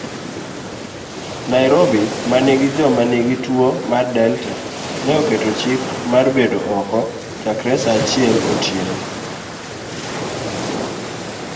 Nairobi manigi joma nigi tuo mar Delta, neoketo chik marbedo oko chakre saachiel otieno.